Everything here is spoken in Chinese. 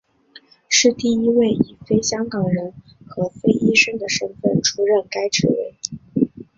是第一位以非香港人和非医生的身份出任该职位。